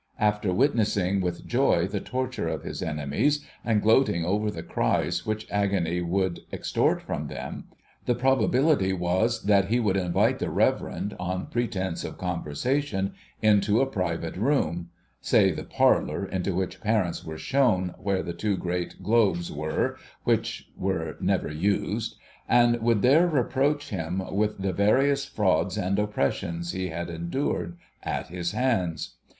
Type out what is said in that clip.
After witnessing with joy the torture of his enemies, and gloating over the cries which agony would extort from them, the i)robability was that he would invite the Reverend, on pretence of conversation, into a private room — say the jxarlour into which Parents were shown, where the two great globes were which were never used — and would there reproach him with the various frauds and oppressions he had endured at his hands.